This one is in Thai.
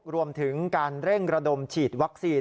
รวมถึงการเร่งระดมฉีดวัคซีน